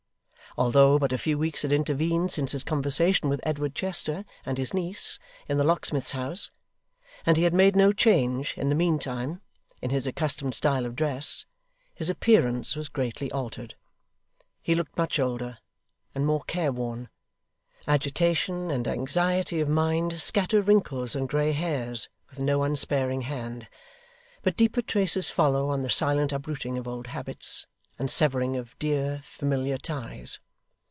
Although but a few weeks had intervened since his conversation with Edward Chester and his niece, in the locksmith's house, and he had made no change, in the mean time, in his accustomed style of dress, his appearance was greatly altered. He looked much older, and more care worn. Agitation and anxiety of mind scatter wrinkles and grey hairs with no unsparing hand; but deeper traces follow on the silent uprooting of old habits, and severing of dear, familiar ties.